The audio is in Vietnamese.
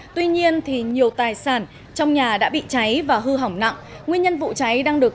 tuy nhiên nhiều tài sản trong nhà đã bị cháy và hư hỏng nặng nguyên nhân vụ cháy đang được